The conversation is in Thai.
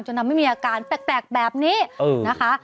ทำให้มีอาการแปลกแบบนี้นะคะ